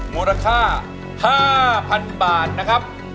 มูลค่าห้าพันบาทนะครับ